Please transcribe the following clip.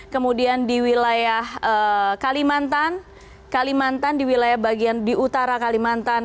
kemudian di wilayah kalimantan kalimantan di wilayah bagian di utara kalimantan